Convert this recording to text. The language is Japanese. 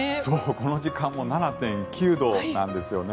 この時間も７．９度なんですよね。